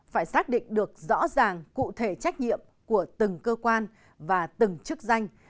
phải xác định được rõ ràng cụ thể trách nhiệm của từng cơ quan và từng chức danh